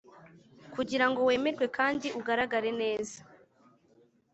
Kugira ngo wemerwe kandi ugaragare neza